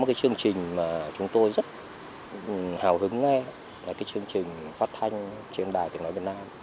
có một chương trình mà chúng tôi rất hào hứng nghe là chương trình phát thanh trên bài tiếng nói việt nam